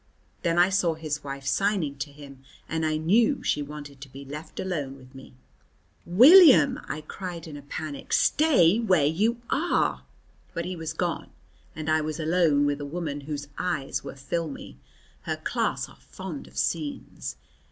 Then I saw his wife signing to him, and I knew she wanted to be left alone with me. "William," I cried in a panic, "stay where you are." But he was gone, and I was alone with a woman whose eyes were filmy. Her class are fond of scenes.